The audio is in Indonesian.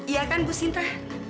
iya kan bu sinta